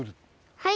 はい。